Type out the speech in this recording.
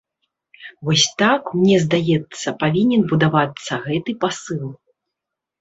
Вось так, мне здаецца, павінен будавацца гэты пасыл.